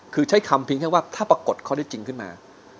คือใช้คำเพียงแค่ว่าถ้าปรากฏข้อได้จริงขึ้นมา